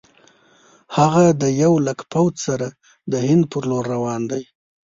هغه د یو لک پوځ سره د هند پر لور روان دی.